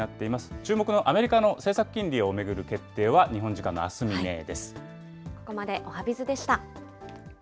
注目のアメリカの政策金利を巡る決定は、日本時間のあす未明です。